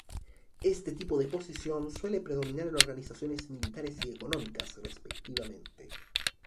Este tipo de posición suele predominar en organizaciones militares y económicas, respectivamente.